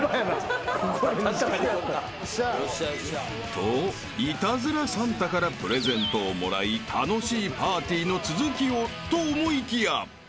［とイタズラサンタからプレゼントをもらい楽しいパーティーの続きをと思いきや］